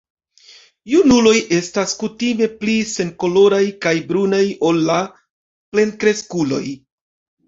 Junuloj estas kutime pli senkoloraj kaj brunaj ol la plenkreskuloj.